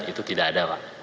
itu tidak ada pak